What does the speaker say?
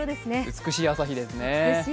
美しい朝日ですね。